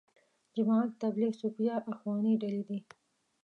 جماعت تبلیغ، صوفیه، اخواني ډلې دي.